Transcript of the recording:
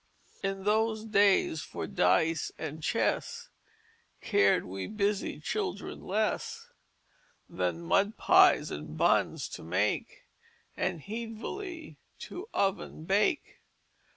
"In those days for dice and chess Cared we busy children less Than mud pies and buns to make, And heedfully in oven bake.